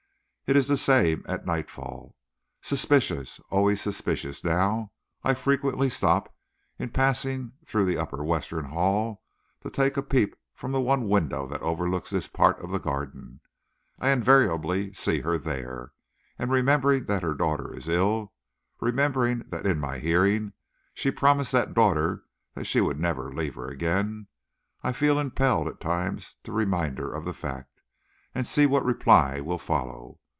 It is the same at nightfall. Suspicious, always suspicious now, I frequently stop, in passing through the upper western hall, to take a peep from the one window that overlooks this part of the garden. I invariably see her there; and remembering that her daughter is ill, remembering that in my hearing she promised that daughter that she would not leave her again, I feel impelled at times to remind her of the fact, and see what reply will follow.